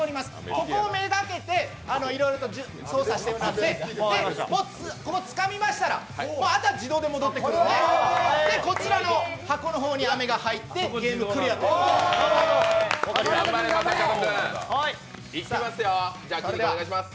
ここを目がけて、いろいろと操作してもらって、つかみましたら、あとは自動で戻ってくるのでこちらの箱の方に飴が入ってゲームクリアとなりますいきますよ、お願いします。